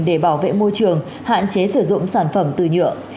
để bảo vệ môi trường hạn chế sử dụng sản phẩm từ nhựa